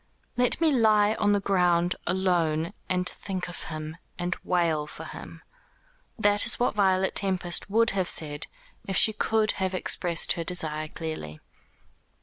"Let me lie on the ground alone, and think of him, and wail for him." That is what Violet Tempest would have said, if she could have expressed her desire clearly.